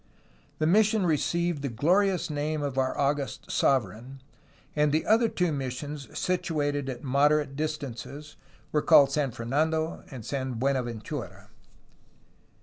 The mission received the glorious name of our august sovereign, and the two other missions situated at moderate distances were called San Fernando and San Buenaventura.